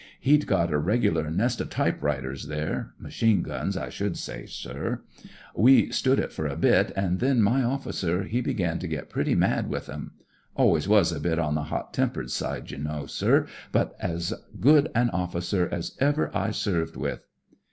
He'd got a reg'lar nest o' typewriters there; machine guns, I should say, sir. We 28 SPIRIT OF BRITISH SOLDIER stood it for a bit, an' then my officer he began to get pretty mad with 'em. Always was a bit on the hot tempered side, you know, sir ; but as good an officer as ever I served with.